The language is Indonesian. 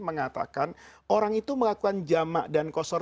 mengatakan orang itu melakukan jamak dan kosor